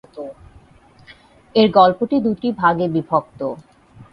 এর গল্পটি দুটি ভাগে বিভক্ত।